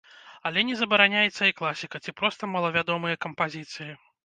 Але не забараняецца і класіка, ці проста малавядомыя кампазіцыі.